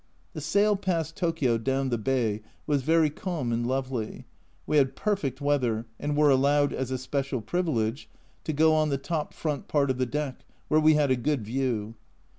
The sail past Tokio down the bay was very calm and lovely ; we had perfect weather and were allowed, as a special privilege, to go on the top front part of the deck, where we had a good view.